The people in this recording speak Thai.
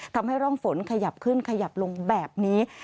ทำให้ร่องฝนขยับขึ้นขยับลงแบบนี้